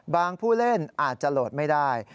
ผู้เล่นอาจจะโหลดไม่ได้